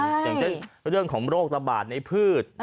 อย่างเกี่ยวกับโรคตะบาดในพืช